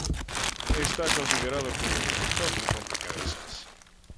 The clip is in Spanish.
Está considerado como el inventor del rompecabezas.